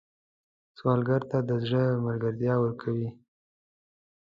سوالګر ته د زړه ملګرتیا ورکوئ